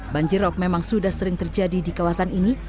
banjir rok memang sudah sering terjadi di kawasan ini